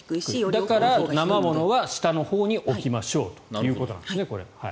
だから生ものは下のほうに置きましょうということなんですね。